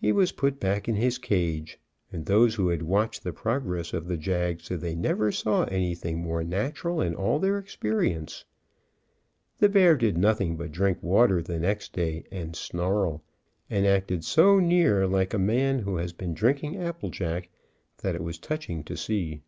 He was put back in his cage, and those who had watched the progress of the jag said they never saw anything more natural in all their experience. The bear did nothing but drink water the next day, and snarl, and acted THE TERRIBLE ROOT BEER JAG" 209 so near like a man who has been drinking apple jack that it was touching to see.